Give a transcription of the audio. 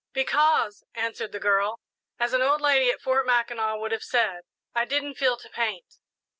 "Because," answered the girl, "as an old lady at Fort Mackinac would have said, I didn't 'feel to paint.'"